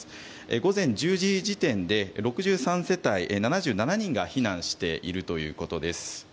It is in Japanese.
午前１０時時点で６３世帯７７人が避難しているということです。